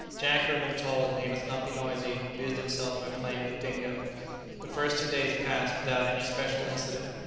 Jack, who had been told that he must not be noisy, amused himself by playing with Dingo. The first two days passed without any special incident.